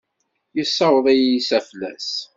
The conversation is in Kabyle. Yessaweḍ-iyi s aflas.